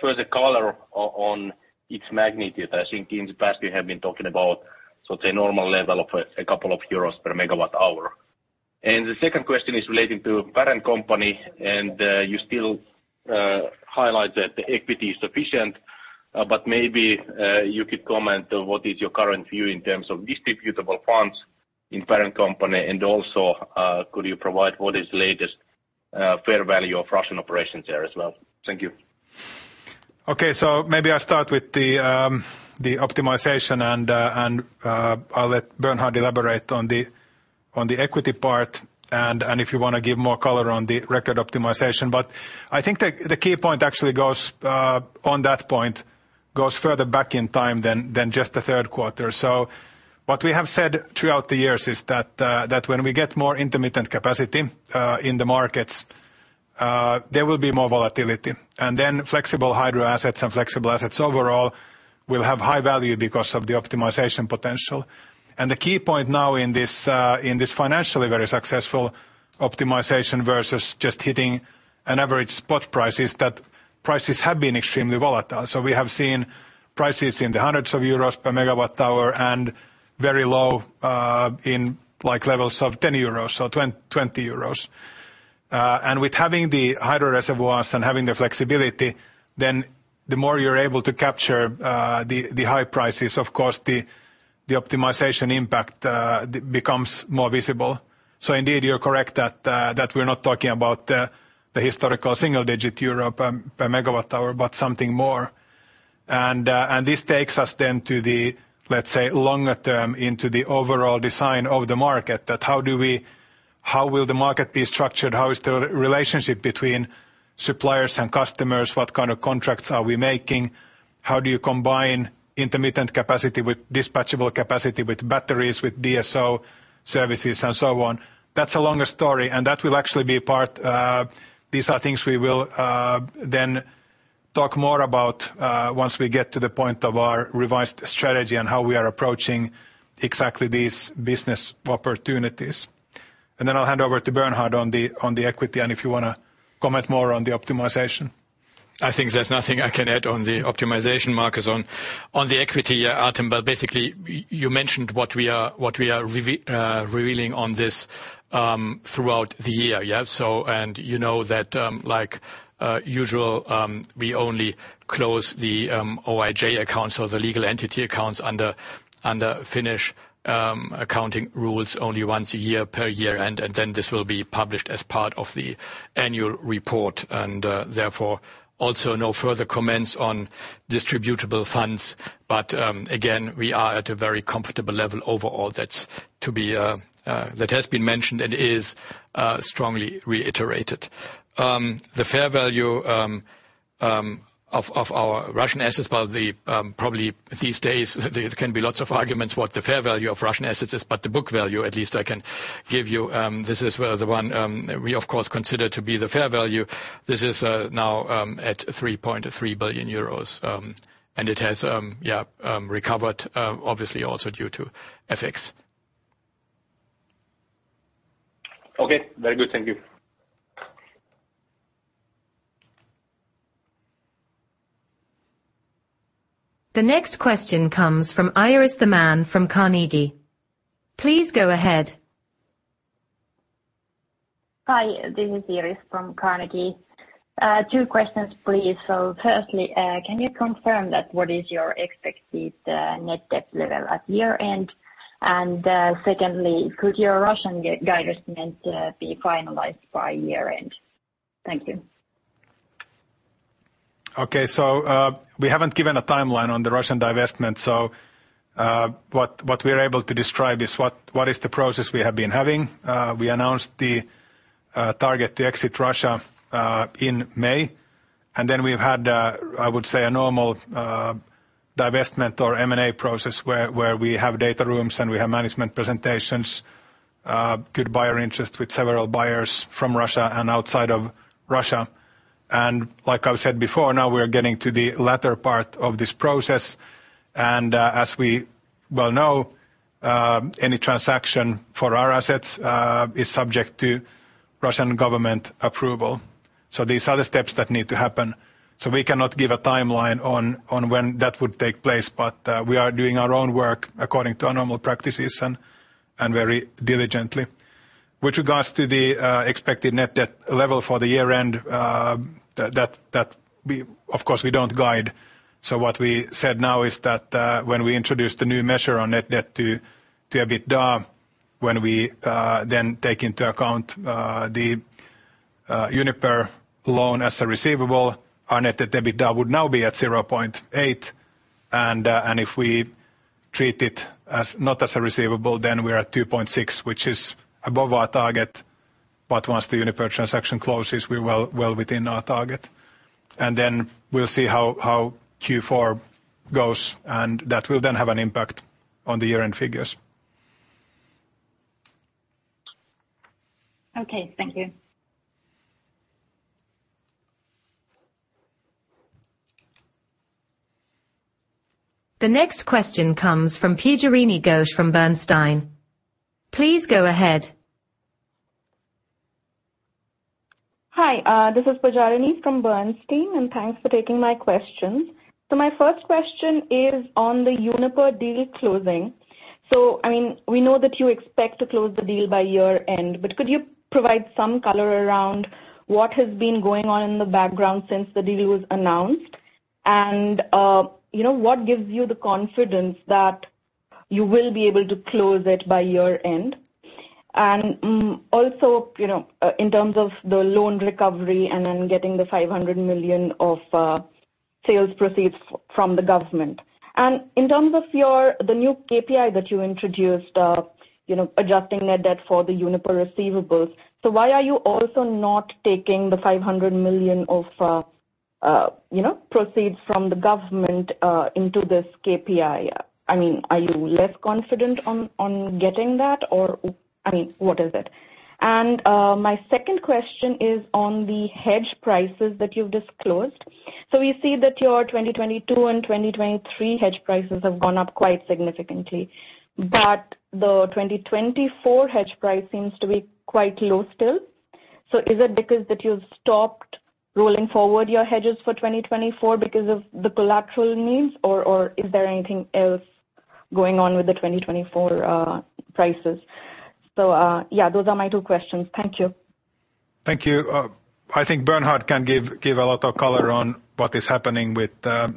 further color on its magnitude? I think in the past you have been talking about sort of a normal level of a couple of euros per megawatt hour. The second question is relating to parent company, and you still highlight that the equity is sufficient, but maybe you could comment on what is your current view in terms of distributable funds in parent company and also could you provide what is latest fair value of Russian operations there as well? Thank you. Okay. Maybe I'll start with the optimization and I'll let Bernhard elaborate on the equity part, and if you wanna give more color on the record optimization. I think the key point, actually on that point, goes further back in time than just the third quarter. What we have said throughout the years is that when we get more intermittent capacity in the markets, there will be more volatility. Then flexible hydro assets and flexible assets overall will have high value because of the optimization potential. The key point now in this financially very successful optimization versus just hitting an average spot price is that prices have been extremely volatile. We have seen prices in the hundreds of euros per megawatt hour and very low, in like levels of 10 euros, so 20 euros. With having the hydro reservoirs and having the flexibility, then the more you're able to capture the high prices, of course, the optimization impact becomes more visible. Indeed, you're correct that we're not talking about the historical single-digit euro per megawatt hour, but something more. This takes us then to the, let's say, longer term into the overall design of the market, how will the market be structured? How is the relationship between suppliers and customers? What kind of contracts are we making? How do you combine intermittent capacity with dispatchable capacity, with batteries, with DSO services, and so on? That's a longer story, and that will actually be a part. These are things we will then talk more about once we get to the point of our revised strategy and how we are approaching exactly these business opportunities. Then I'll hand over to Bernhard on the equity, and if you wanna comment more on the optimization. I think there's nothing I can add on the optimization markers on the equity item, but basically you mentioned what we are revealing on this throughout the year. Yeah. You know that, like usual, we only close the Oyj accounts or the legal entity accounts under Finnish accounting rules only once a year. Then this will be published as part of the annual report, and therefore also no further comments on distributable funds. Again, we are at a very comfortable level overall. That has been mentioned and is strongly reiterated. The fair value of our Russian assets, well, probably these days there can be lots of arguments what the fair value of Russian assets is, but the book value at least I can give you. This is where we of course consider to be the fair value. This is now at 3.3 billion euros, and it has recovered, obviously also due to FX. Okay. Very good. Thank you. The next question comes from Iiris Theman from Carnegie. Please go ahead. Hi, this is Iiris from Carnegie. Two questions, please. First, can you confirm that what is your expected net debt level at year-end? Second, could your Russian divestment be finalized by year-end? Thank you. Okay. We haven't given a timeline on the Russian divestment. What we are able to describe is what is the process we have been having. We announced the target to exit Russia in May. Then we've had I would say a normal divestment or M&A process where we have data rooms and we have management presentations. Good buyer interest with several buyers from Russia and outside of Russia. Like I've said before, now we are getting to the latter part of this process. As we well know, any transaction for our assets is subject to Russian government approval. These are the steps that need to happen. We cannot give a timeline on when that would take place. We are doing our own work according to our normal practices and very diligently. With regards to the expected net debt level for the year-end. Of course, we don't guide. What we said now is that, when we introduced the new measure on net debt to EBITDA, when we then take into account the Uniper loan as a receivable, our net debt to EBITDA would now be at 0.8x. If we treat it as not as a receivable, then we are at 2.6x, which is above our target. Once the Uniper transaction closes, we're well within our target. Then we'll see how Q4 goes, and that will then have an impact on the year-end figures. Okay. Thank you. The next question comes from Pujarini Ghosh from Bernstein. Please go ahead. Hi, this is Pujarini from Bernstein, and thanks for taking my questions. My first question is on the Uniper deal closing. I mean, we know that you expect to close the deal by year-end, but could you provide some color around what has been going on in the background since the deal was announced? You know, what gives you the confidence that you will be able to close it by year-end? Also, you know, in terms of the loan recovery and then getting the 500 million of sales proceeds from the government. In terms of the new KPI that you introduced of, you know, adjusting net debt for the Uniper receivables. Why are you also not taking the 500 million of, you know, proceeds from the government into this KPI? I mean, are you less confident on getting that, or I mean, what is it? My second question is on the hedge prices that you've disclosed. We see that your 2022 and 2023 hedge prices have gone up quite significantly, but the 2024 hedge price seems to be quite low still. Is it because that you've stopped rolling forward your hedges for 2024 because of the collateral needs or is there anything else going on with the 2024 prices? Yeah, those are my two questions. Thank you. Thank you. I think Bernhard can give a lot of color on what is happening with the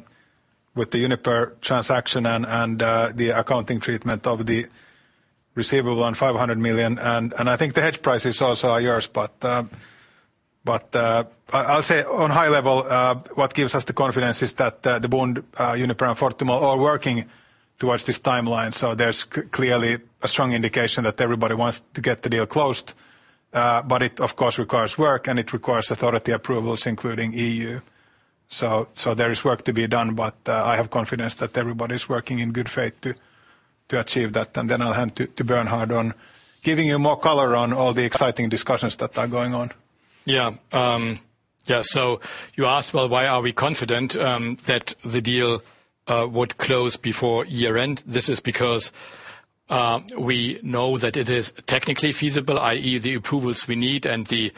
Uniper transaction and the accounting treatment of the receivable on 500 million. I think the hedge prices also are yours. I'll say on high level what gives us the confidence is that the Bund, Uniper and Fortum are working towards this timeline, so there's clearly a strong indication that everybody wants to get the deal closed. It of course requires work and it requires authority approvals, including EU. There is work to be done, but I have confidence that everybody's working in good faith to achieve that. Then I'll hand to Bernhard on giving you more color on all the exciting discussions that are going on. Yeah. Yeah, you asked, well, why are we confident that the deal would close before year-end? This is because we know that it is technically feasible, i.e., the approvals we need and the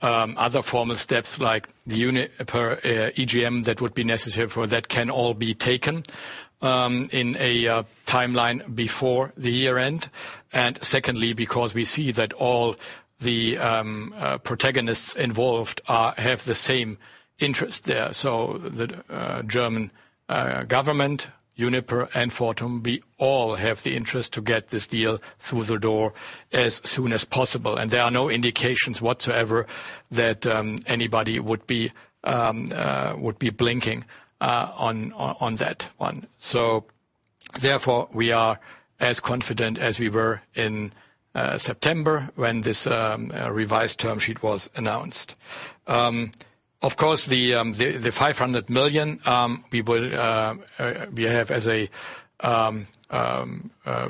other formal steps like the Uniper EGM that would be necessary for that can all be taken in a timeline before the year-end. Secondly, because we see that all the protagonists involved have the same interest there. The German government, Uniper and Fortum, we all have the interest to get this deal through the door as soon as possible. There are no indications whatsoever that anybody would be blinking on that one. Therefore, we are as confident as we were in September when this revised term sheet was announced. Of course, the EUR 500 million we have as a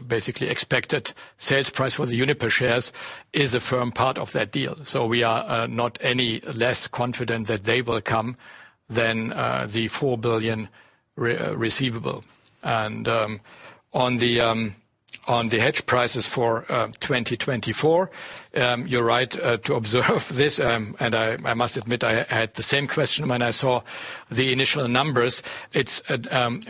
basically expected sales price for the Uniper shares is a firm part of that deal. We are not any less confident that they will come than the 4 billion receivable. On the hedge prices for 2024, you're right to observe this, and I must admit, I had the same question when I saw the initial numbers. It's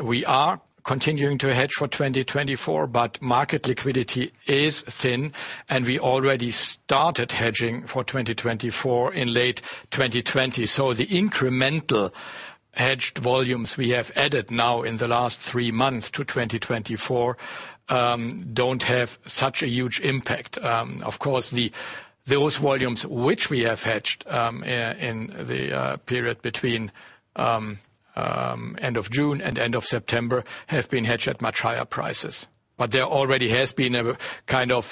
we are continuing to hedge for 2024, but market liquidity is thin, and we already started hedging for 2024 in late 2020. The incremental hedged volumes we have added now in the last three months to 2024 don't have such a huge impact. Of course, those volumes which we have hedged in the period between end of June and end of September have been hedged at much higher prices. There already has been a kind of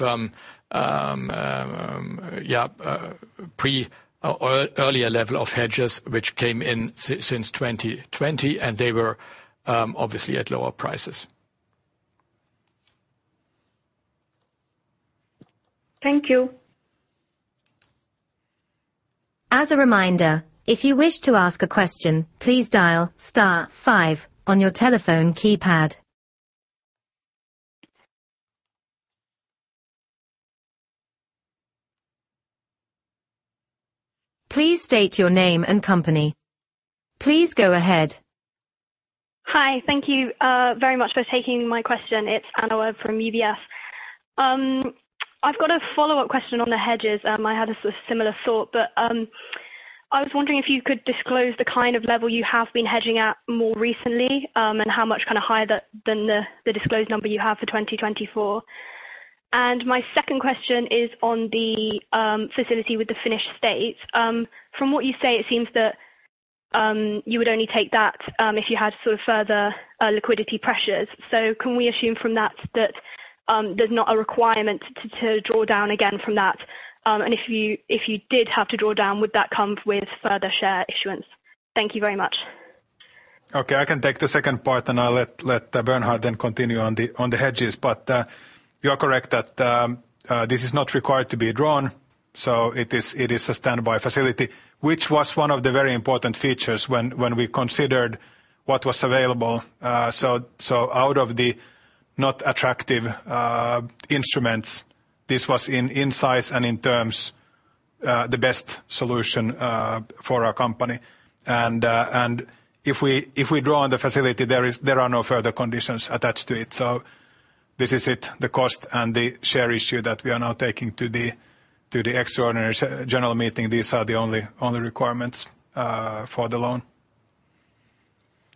pre or earlier level of hedges which came in since 2020, and they were obviously at lower prices. Thank you. As a reminder, if you wish to ask a question, please dial star five on your telephone keypad. Please state your name and company. Please go ahead. Hi. Thank you very much for taking my question. It's Anna Webb from UBS. I've got a follow-up question on the hedges. I had a similar thought, but I was wondering if you could disclose the kind of level you have been hedging at more recently, and how much kinda higher than the disclosed number you have for 2024. My second question is on the facility with the Finnish state. From what you say, it seems that you would only take that if you had sort of further liquidity pressures. Can we assume from that that there's not a requirement to draw down again from that? If you did have to draw down, would that come with further share issuance? Thank you very much. Okay. I can take the second part, and I'll let Bernhard then continue on the hedges. You are correct that this is not required to be drawn, so it is a standby facility, which was one of the very important features when we considered what was available. Out of the not attractive instruments, this was in size and in terms the best solution for our company. If we draw on the facility, there are no further conditions attached to it. This is it, the cost and the share issue that we are now taking to the extraordinary general meeting. These are the only requirements for the loan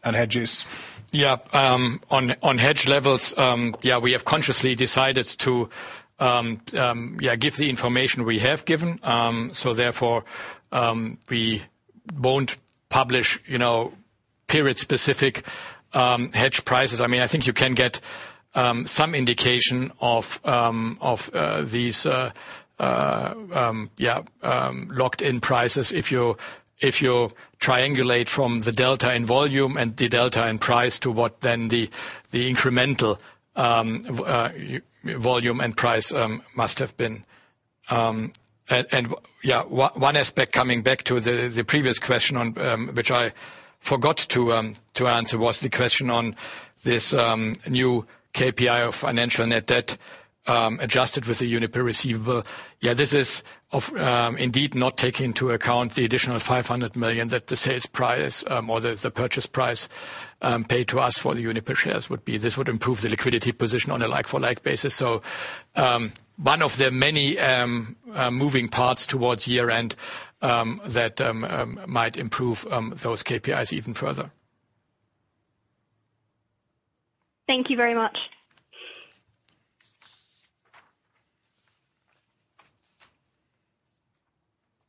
and hedges. Yeah. On hedge levels, we have consciously decided to give the information we have given. Therefore, we won't publish, you know, period-specific hedge prices. I mean, I think you can get some indication of these locked in prices if you triangulate from the delta in volume and the delta in price to what then the incremental volume and price must have been. One aspect coming back to the previous question on which I forgot to answer was the question on this new KPI of financial net debt adjusted with the Uniper receivable. Yeah, this is indeed not taking into account the additional 500 million that the sales price or the purchase price paid to us for the Uniper shares would be. This would improve the liquidity position on a like-for-like basis. One of the many moving parts toward year-end that might improve those KPIs even further. Thank you very much.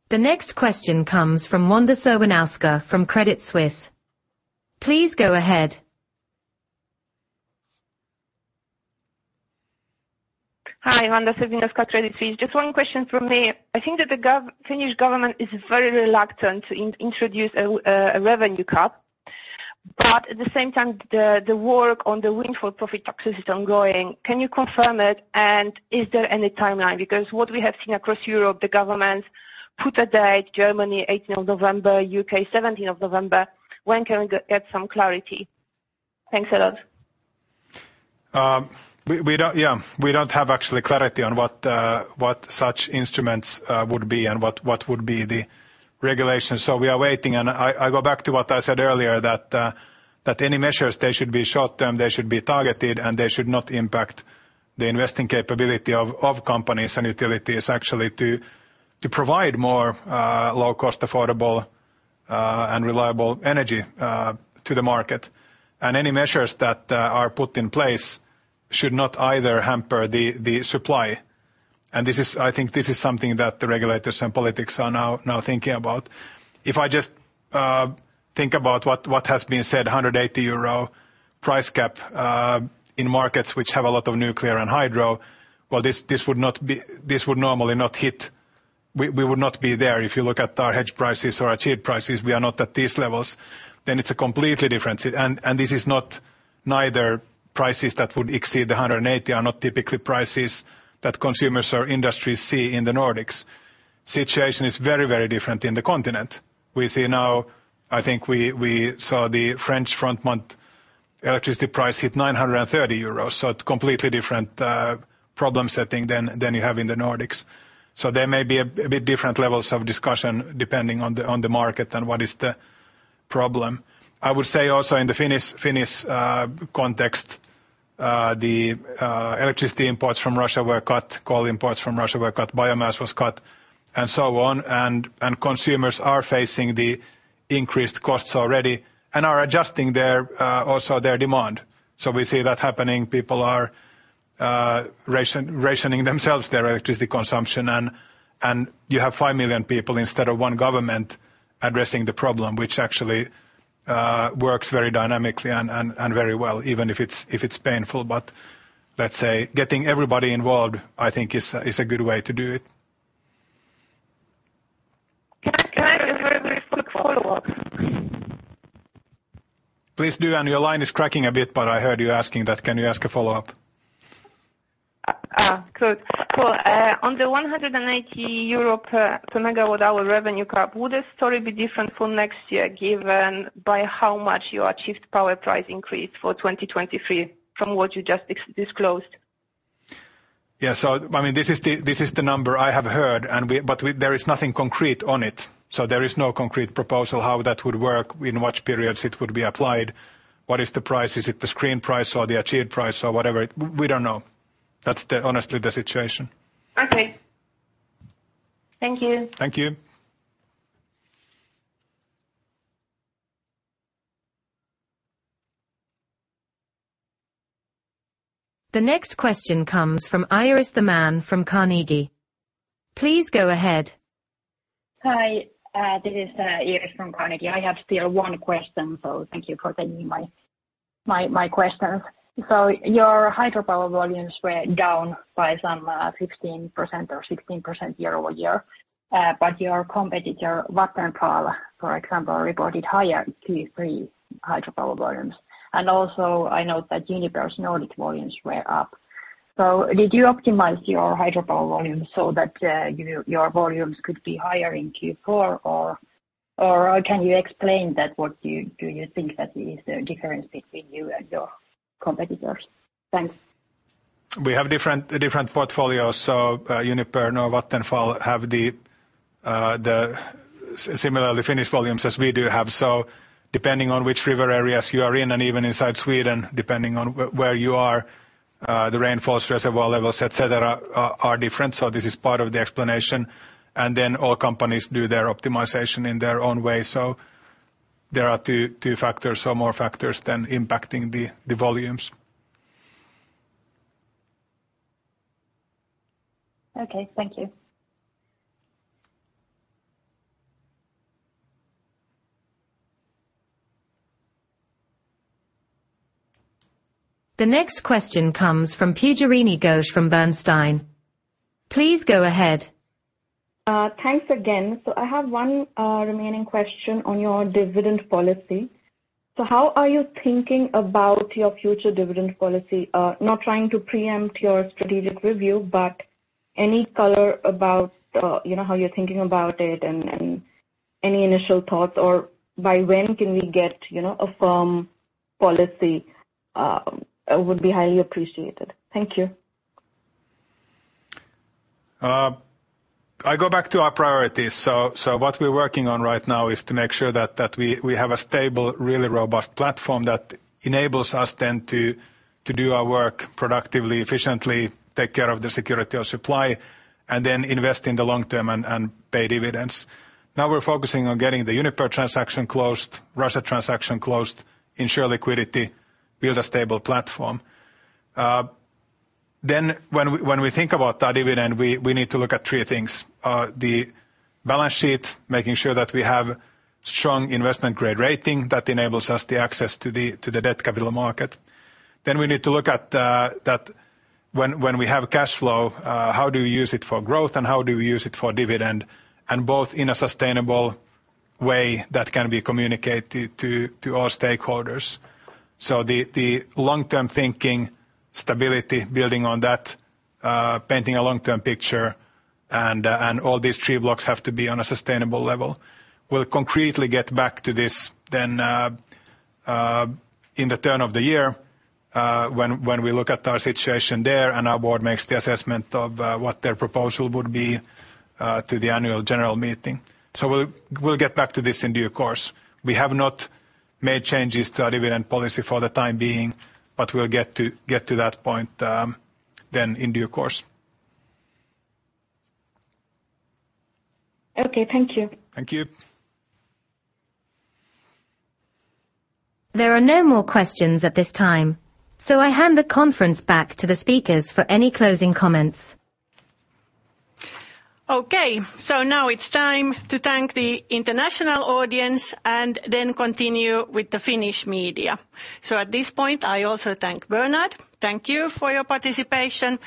The next question comes from Wanda Serwinowska from Credit Suisse. Please go ahead. Hi. Wanda Serwinowska, Credit Suisse. Just one question from me. I think that the Finnish government is very reluctant to introduce a revenue cap. At the same time, the work on the windfall profit taxes is ongoing. Can you confirm it? And is there any timeline? Because what we have seen across Europe, the government put a date, Germany November 18th, UK November 17th. When can we get some clarity? Thanks a lot. We don't have actually clarity on what such instruments would be and what would be the regulations. We are waiting. I go back to what I said earlier that any measures they should be short-term, they should be targeted, and they should not impact the investing capability of companies and utilities actually to provide more low cost, affordable, and reliable energy to the market. Any measures that are put in place should not either hamper the supply. I think this is something that the regulators and politics are now thinking about. If I just think about what has been said, 180 euro price cap in markets which have a lot of nuclear and hydro, well, this would normally not hit. We would not be there. If you look at our hedge prices or achieved prices, we are not at these levels. It's a completely different situation. This is not. Neither prices that would exceed the 180 are typically prices that consumers or industries see in the Nordics. Situation is very different in the continent. We see now. I think we saw the French front month electricity price hit 930 euros, so completely different problem setting than you have in the Nordics. There may be a bit different levels of discussion depending on the market and what is the problem. I would say also in the Finnish context, the electricity imports from Russia were cut, coal imports from Russia were cut, biomass was cut, and so on. Consumers are facing the increased costs already and are adjusting also their demand. We see that happening. People are rationing themselves their electricity consumption. You have 5 million people instead of one government addressing the problem, which actually works very dynamically and very well, even if it's painful. Let's say getting everybody involved, I think is a good way to do it. Can I do a very quick follow-up? Please do. Your line is cracking a bit, but I heard you asking that. Can you ask a follow-up? Well, on the 180 euro per MWh revenue cap, would the story be different for next year, given by how much you achieved power price increase for 2023 from what you just disclosed? Yeah. I mean, this is the number I have heard, there is nothing concrete on it, so there is no concrete proposal how that would work, in which periods it would be applied. What is the price? Is it the screen price or the achieved price or whatever? We don't know. That's honestly the situation. Okay. Thank you. Thank you. The next question comes from Iiris Theman from Carnegie. Please go ahead. Hi, this is Iiris from Carnegie. I have still one question, so thank you for taking my question. Your hydropower volumes were down by some 16% or 16% year-over-year. Your competitor, Vattenfall, for example, reported higher Q3 hydropower volumes. Also I know that Uniper's Nordic volumes were up. Did you optimize your hydropower volumes so that, you know, your volumes could be higher in Q4? Or can you explain what you think is the difference between you and your competitors? Thanks. We have different portfolios. Neither Uniper nor Vattenfall have the similar Finnish volumes as we do have. Depending on which river areas you are in, and even inside Sweden, depending on where you are, the rainfall, reservoir levels, et cetera, are different. This is part of the explanation. All companies do their optimization in their own way. There are two factors or more factors impacting the volumes. Okay. Thank you. The next question comes from Pujarini Ghosh from Bernstein. Please go ahead. Thanks again. I have one remaining question on your dividend policy. How are you thinking about your future dividend policy? Not trying to preempt your strategic review, but any color about, you know, how you're thinking about it and any initial thoughts or by when can we get, you know, a firm policy would be highly appreciated. Thank you. I go back to our priorities. What we're working on right now is to make sure that we have a stable, really robust platform that enables us then to do our work productively, efficiently, take care of the security of supply, and then invest in the long-term and pay dividends. Now we're focusing on getting the Uniper transaction closed, Russia transaction closed, ensure liquidity, build a stable platform. When we think about that dividend, we need to look at three things. The balance sheet, making sure that we have strong investment-grade rating that enables us the access to the debt capital market. We need to look at that when we have cash flow, how do we use it for growth and how do we use it for dividend, and both in a sustainable way that can be communicated to all stakeholders. The long-term thinking, stability, building on that, painting a long-term picture and all these three blocks have to be on a sustainable level. We'll concretely get back to this then in the turn of the year, when we look at our situation there and our board makes the assessment of what their proposal would be to the annual general meeting. We'll get back to this in due course. We have not made changes to our dividend policy for the time being, but we'll get to that point then in due course. Okay. Thank you. Thank you. There are no more questions at this time, so I hand the conference back to the speakers for any closing comments. Okay. Now it's time to thank the international audience and then continue with the Finnish media. At this point, I also thank Bernhard. Thank you for your participation.